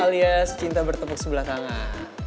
alias cinta bertepuk sebelah kanan